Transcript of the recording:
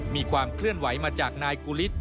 มีความเคลื่อนไหวมาจากนายกุฤทธ